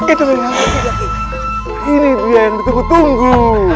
ini dia yang ditunggu tunggu